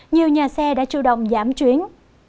nhiều nhà xe đã chủ động giảm chuyến